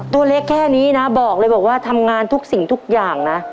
ตัวเล็กแค่นี้นะบอกเลยบอกว่าทำงานทุกสิ่งทุกอย่างนะ